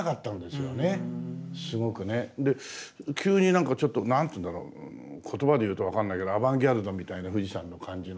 で急になんかちょっと何ていうんだろう言葉で言うと分かんないけどアバンギャルドみたいな富士山の感じの。